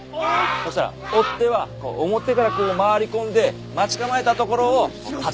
そしたら追っ手は表からこう回り込んで待ち構えたところを立ち回り。